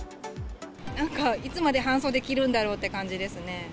なんかいつまで半袖着るんだろうって感じですね。